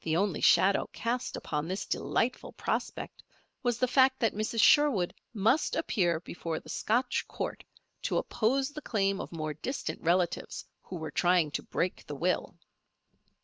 The only shadow cast upon this delightful prospect was the fact that Mrs. Sherwood must appear before the Scotch Court to oppose the claim of more distant relatives who were trying to break the will.